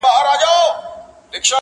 چي فارغ به یې کړ مړی له کفنه!.